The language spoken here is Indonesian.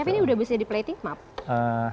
chef ini udah bisa di plating maaf